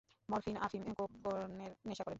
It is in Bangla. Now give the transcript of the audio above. মরফিন, আফিম, কোকেনের নেশা করেন?